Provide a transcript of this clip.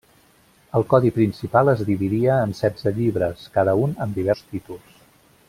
El codi principal es dividia en setze llibres, cada un amb diversos títols.